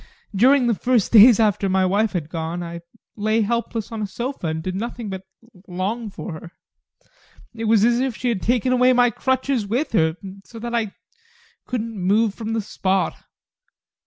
During the first days after my wife had gone, I lay helpless on a sofa and did nothing but long for her. It was as if she had taken away my crutches with her, so that I couldn't move from the spot.